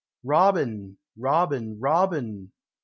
Robin ! Robin ! Robin